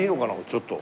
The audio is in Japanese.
ちょっと。